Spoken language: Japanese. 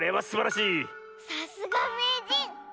さすがめいじん。